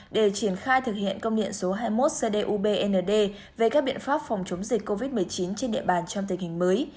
để triển khai thực hiện công điện số hai mươi một cdubnd về các biện pháp phòng chống dịch covid một mươi chín trên địa bàn trong tình hình mới